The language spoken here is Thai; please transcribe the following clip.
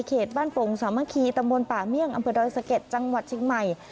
บ้านโป่งสามัคคีตำบลป่าเมี่ยงอำเภอดอยสะเก็ดจังหวัดเชียงใหม่